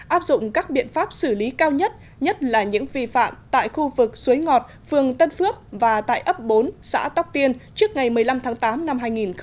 áp dụng các biện pháp xử lý cao nhất nhất là những vi phạm tại khu vực suối ngọt phường tân phước và tại ấp bốn xã tóc tiên trước ngày một mươi năm tháng tám năm hai nghìn hai mươi